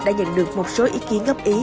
đã nhận được một số ý kiến góp ý